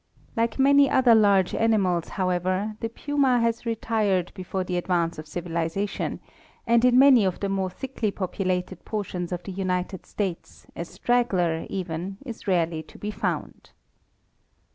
Like many other large animals, however, the puma has retired before the advance of civilization, and in many of the more thickly populated portions of the United States a straggler, even, is rarely to be found.